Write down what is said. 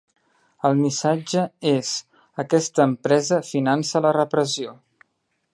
El missatge és ‘Aquesta empresa finança la repressió’.